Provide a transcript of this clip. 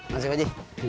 masih pak haji